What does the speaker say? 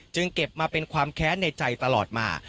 เก็บมาเป็นความแค้นในใจตลอดมา